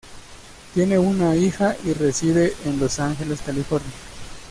Tiene una hija y reside en Los Ángeles, California.